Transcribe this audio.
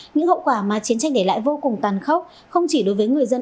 những hậu quả mà chiến tranh để lại vô cùng tàn khốc không chỉ đối với người dân